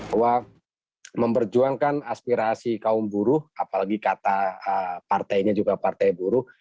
bahwa memperjuangkan aspirasi kaum buruh apalagi kata partainya juga partai buruh